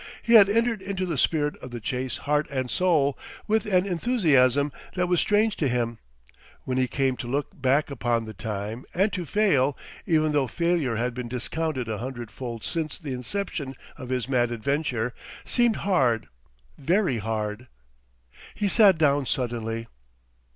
He had entered into the spirit of the chase heart and soul, with an enthusiasm that was strange to him, when he came to look back upon the time; and to fail, even though failure had been discounted a hundredfold since the inception of his mad adventure, seemed hard, very hard. He sat down suddenly.